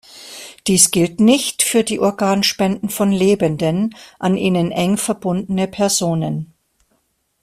Dies gilt nicht für die Organspenden von Lebenden an ihnen eng verbundene Personen.